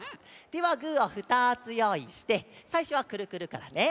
手はグーを２つよういしてさいしょはくるくるからね。